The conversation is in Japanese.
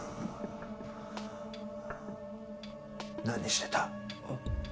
何してた？